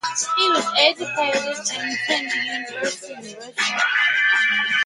He was educated and attended university in Russia.